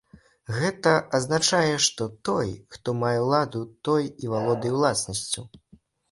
Гэта азначае, што той, хто мае ўладу, той і валодае ўласнасцю.